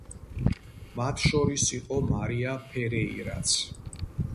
მათ შორის იყო მარია ფერეირაც.